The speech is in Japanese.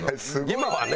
今はね